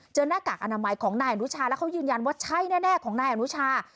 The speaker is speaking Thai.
หน้ากากอนามัยของนายอนุชาแล้วเขายืนยันว่าใช่แน่ของนายอนุชา